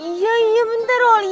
iya iya bentar alin